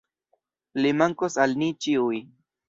Li mankos al ni ĉiuj.